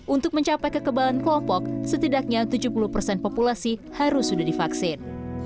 untuk mencapai kekebalan kelompok setidaknya tujuh puluh persen populasi harus sudah divaksin